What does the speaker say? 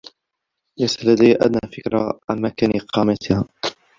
ليست لدي أدنى فكرة عن مكان إقامتها.